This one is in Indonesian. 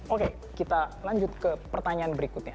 oke kita lanjut ke pertanyaan berikutnya